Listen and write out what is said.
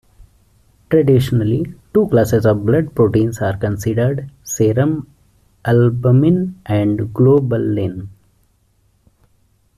Traditionally, two classes of blood proteins are considered: serum albumin and globulin.